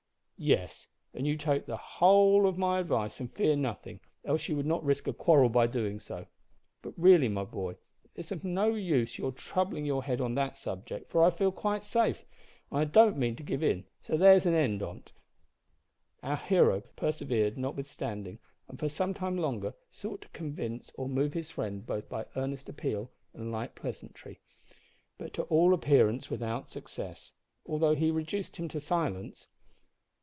"Yes, and you take the whole of my advice, and fear nothing, else you would not risk a quarrel by doing so. But really, my boy, it's of no use your troubling your head on that subject, for I feel quite safe, and I don't mean to give in, so there's an end on't." Our hero persevered notwithstanding, and for some time longer sought to convince or move his friend both by earnest appeal and light pleasantry, but to all appearance without success, although he reduced him to silence.